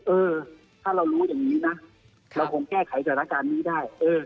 เออถ้าเรารู้อย่างนี้นะเราคงแก้ไขสถานการณ์นี้ได้